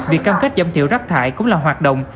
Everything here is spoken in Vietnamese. việc cam kết dòng thiệu rắp thải cũng là hoạt động